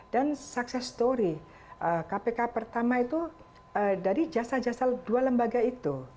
dan success story kpk pertama itu dari jasa jasa dua lembaga itu